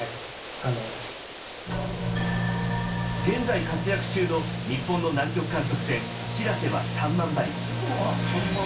現在活躍中の日本の南極観測船「しらせ」は３万馬力。